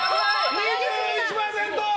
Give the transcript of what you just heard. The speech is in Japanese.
２１％！